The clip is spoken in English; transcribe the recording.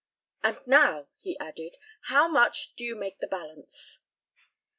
And now," he added, "how much do you make the balance?"